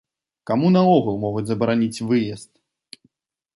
Каму наогул могуць забараніць выезд?